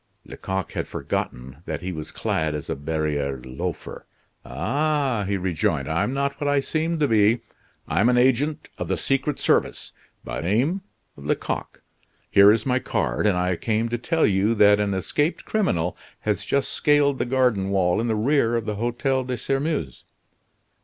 Lecoq had forgotten that he was clad as a barriere loafer. "Ah," he rejoined, "I'm not what I seem to be. I'm an agent of the secret service; by name Lecoq. Here is my card, and I came to tell you that an escaped criminal has just scaled the garden wall in the rear of the Hotel de Sairmeuse."